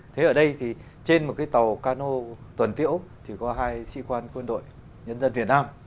thế ở đây thì trên một cái tàu cano tuần tiễu thì có hai sĩ quan quân đội nhân dân việt nam